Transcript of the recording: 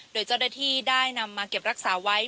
โดยเจ้าหน้าที่ได้นำมาเก็บรักษาไว้